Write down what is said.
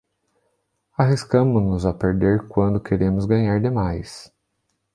Arriscamo-nos a perder quando queremos ganhar demais.